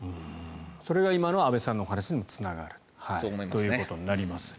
それが今の安部さんの話にもつながるということになります。